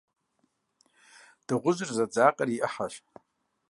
Дыгъужьыр зэдзакъэр и Ӏыхьэщ.